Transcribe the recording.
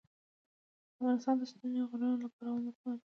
افغانستان د ستوني غرونه له پلوه متنوع دی.